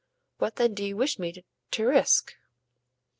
"What then do you wish me to risk?"